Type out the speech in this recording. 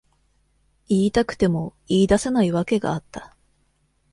言いたくても言い出せない訳があった。